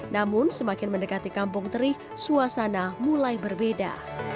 namun semakin mendekati kampung teri suasana mulai berbeda